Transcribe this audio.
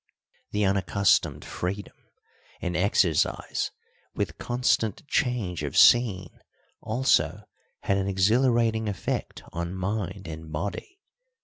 The unaccustomed freedom and exercise, with constant change of scene, also had an exhilarating effect on mind and body.